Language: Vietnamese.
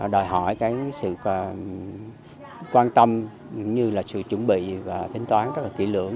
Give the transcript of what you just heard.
đòi hỏi sự quan tâm như là sự chuẩn bị và tính toán rất là kỹ lưỡng